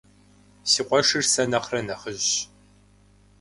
Си къуэшыр сэ нэхърэ нэхъыжьщ.